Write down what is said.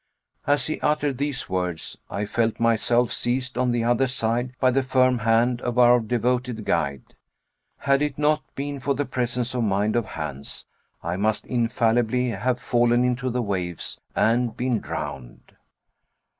As he uttered these words, I felt myself seized on the other side by the firm hand of our devoted guide. Had it not been for the presence of mind of Hans, I must infallibly have fallen into the waves and been drowned.